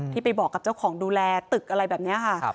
ไปบอกกับเจ้าของดูแลตึกอะไรแบบนี้ค่ะ